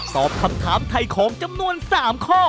ตอบคำถามถ่ายของจำนวน๓ข้อ